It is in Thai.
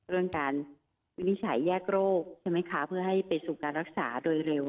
เรื่องการวินิจฉัยแยกโรคใช่ไหมคะเพื่อให้ไปสู่การรักษาโดยเร็ว